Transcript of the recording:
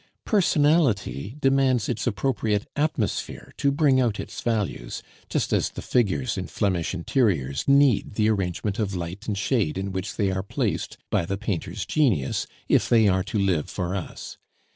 Personality demands its appropriate atmosphere to bring out its values, just as the figures in Flemish interiors need the arrangement of light and shade in which they are placed by the painter's genius if they are to live for us.